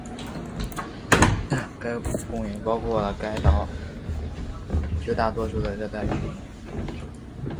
该公园包括了该岛绝大多数的热带雨林。